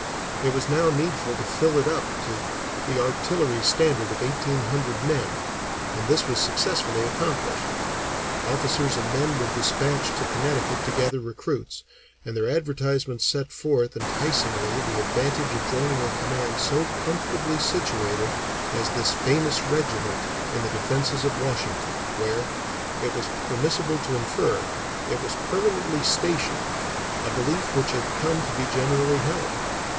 It was now needful to fill it up to the artillery standard of eighteen hundred men, and this was successfully accomplished. Officers and men were despatched to Connecticut to gather recruits, and their advertisements set forth enticingly the advantage of joining a command so comfortably situated as "this famous regiment" in the Defences of Washington, where, it was permissible to infer, it was permanently stationed, a belief which had come to be generally held.